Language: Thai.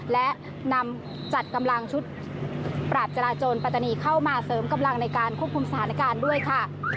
และนำจัดกำลังชุดปราบจราจนปัตตานีเข้ามาเสริมกำลังในการควบคุมสถานการณ์ด้วยค่ะ